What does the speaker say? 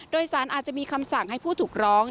โดยสารอาจจะมีคำสั่งให้ผู้ถูกร้อง